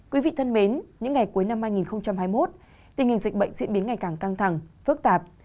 quý vị thân mến những ngày cuối năm hai nghìn hai mươi một tình hình dịch bệnh diễn biến ngày càng căng thẳng phức tạp